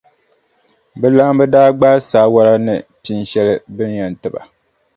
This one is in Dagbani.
Bɛ laamba daa gbaai saawara ni pinʼ shɛli bɛ ni yɛn ti ba.